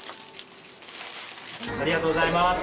ありがとうございます。